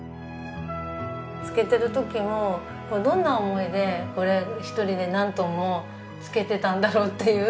漬けている時もどんな思いでこれ１人で何トンも漬けていたんだろうっていう。